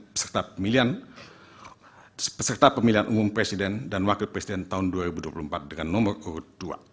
peserta pemilihan peserta pemilihan umum presiden dan wakil presiden tahun dua ribu dua puluh empat dengan nomor urut dua